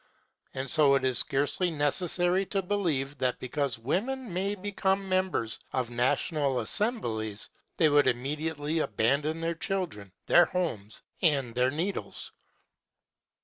And so it is scarcely necessary to believe that because women may become members of national assemblies, they would immediately abandon their children, their homes, and their needles.